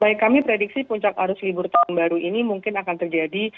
baik kami prediksi puncak arus libur tahun baru ini mungkin akan terjadi